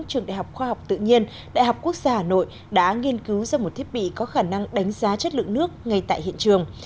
trường đại học khoa học tự nhiên đại học quốc gia hà nội đã nghiên cứu ra một thiết bị có khả năng đánh giá chất lượng nước ngay tại hiện trường